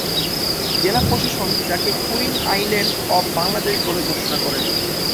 জেলা প্রশাসন যাকে কুইন আইল্যান্ড অব বাংলাদেশ বলে ঘোষণা করে।